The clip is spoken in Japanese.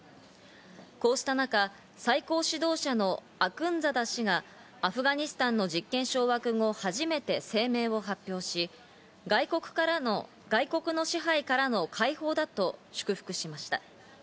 こうした中、最高指導者のアクンザダ師が、アフガニスタンの実権掌握後初めて声明を発表し、外国の支配からの解放だと祝福しました。